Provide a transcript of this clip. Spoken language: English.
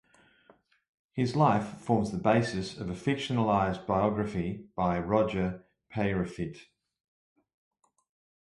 His life forms the basis of a fictionalised biography by Roger Peyrefitte.